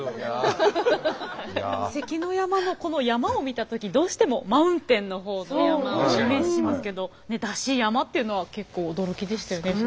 「関の山」のこの「山」を見た時どうしてもマウンテンの方の山をイメージしますけど山車山車っていうのは結構驚きでしたよね。